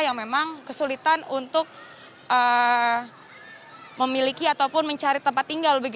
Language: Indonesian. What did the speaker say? yang memang kesulitan untuk memiliki ataupun mencari tempat tinggal